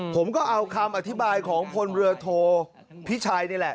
ผมก็เอาคำอธิบายของพลเรือโทพิชัยนี่แหละ